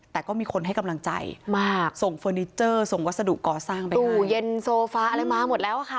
แต่ก็มีคนให้กำลังใจมากส่งเฟอร์นิเจอร์ส่งวัสดุก่อสร้างไปตู้เย็นโซฟาอะไรมาหมดแล้วอะค่ะ